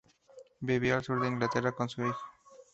Vivió al sur de Inglaterra con su hijo.